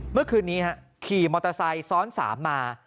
เมื่อคืนนี้ขี่มอเตอร์ไซค์ซ้อน๓มา